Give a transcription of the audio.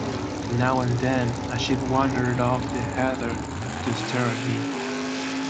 Now and then a sheep wandered off the heather to stare at me.